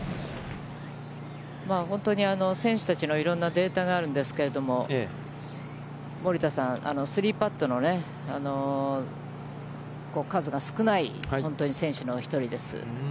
本当に選手たちの、いろんなデータがあるんですけれども、森田さん、３パットの数が少ない、本当に選手の１人です。